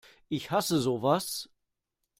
Ich hasse sowas!